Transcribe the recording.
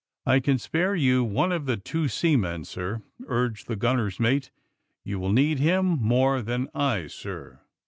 '' '^I can spare you one of the two seamen, sir," urged the gunner's mate. '^You will need him more than I, sir."